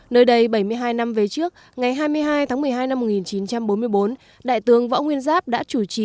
nơi đây bảy mươi hai năm về trước ngày hai mươi hai tháng một mươi hai năm một nghìn chín trăm bốn mươi bốn đại tướng võ nguyên giáp đã chủ trì